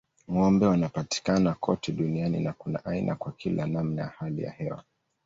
Ng'ombe wanapatikana kote duniani na kuna aina kwa kila namna ya hali ya hewa.